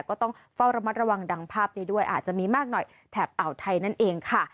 ก็ต้องเฝ้าระมัดระวังดังภาพนี้ด้วยอาจจะมีมากหน่อยแถบอ่าวไทยนั่นเองค่ะ